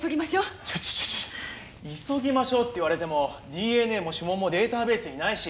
ちょちょちょちょ急ぎましょうって言われてもＤＮＡも指紋もデータベースにないし。